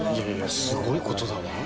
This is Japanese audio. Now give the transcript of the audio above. すごいことだわ。